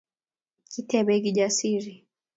Kitebe Kijasiri